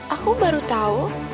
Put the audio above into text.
aku baru tahu